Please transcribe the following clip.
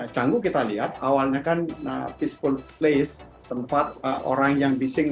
cangguh kita lihat awalnya kan peaceful place tempat orang yang bising